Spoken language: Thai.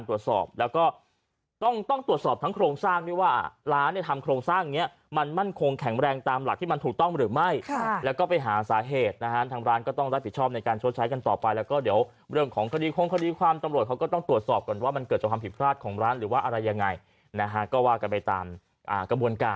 แต่ยังไงก็อย่างที่คุณกอล์ฟยำเนาะโครงสร้างสำคัญนะคะ